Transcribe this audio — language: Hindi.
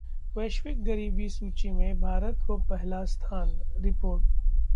वैश्विक गरीबी सूची में भारत को पहला स्थान: रिपोर्ट